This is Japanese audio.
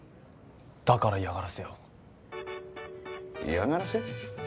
だから嫌がらせを嫌がらせ？